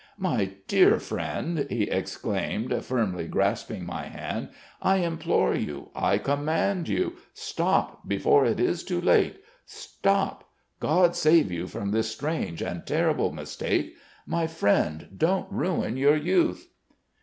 "'My dear friend,' he exclaimed, firmly grasping my hand, 'I implore you, I command you: stop before it is too late. Stop! God save you from this strange and terrible mistake! My friend, don't ruin your youth.'